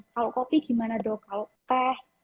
kalau kopi gimana dok kalau teh